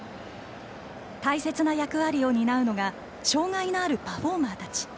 大切な役割を担うのが障害のあるパフォーマーたち。